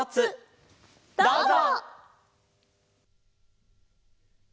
どうぞ！